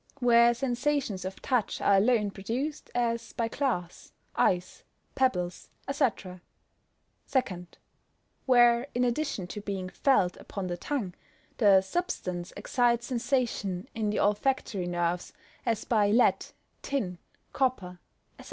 Where sensations of touch are alone produced, as by glass, ice, pebbles, &c. 2. Where, in addition to being felt upon the tongue, the substance excites sensation in the olfactory nerves, as by lead, tin, copper, &c.